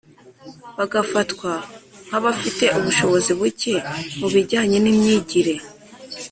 bagafatwa nk’abafite ubushobozi buke mu bijyanye n’imyigire.